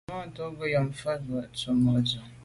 Nzwimàntô lo ghom fotmbwe ntùm mo’ dù’.